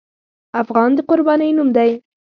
افغان د قربانۍ نوم دی.